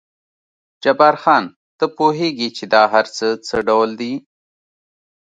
جبار خان، ته پوهېږې چې دا هر څه څه ډول دي؟